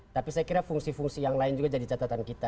tapi saya kira fungsi fungsi yang lain juga jadi catatan kita